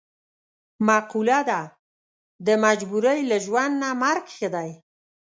معقوله ده: د مجبورۍ له ژوند نه مرګ ښه دی.